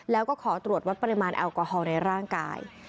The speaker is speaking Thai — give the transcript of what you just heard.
แล้วก็ขอตรวจวัดปริมาณแอลกอฮอล์ในร่างกาย